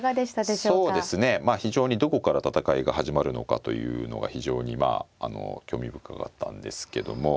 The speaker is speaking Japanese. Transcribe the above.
そうですねまあ非常にどこから戦いが始まるのかというのが非常にまあ興味深かったんですけども。